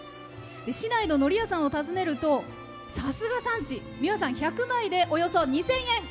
市内の、のり屋さんを訪ねるとさすが産地、皆さん１００枚で、およそ２０００円。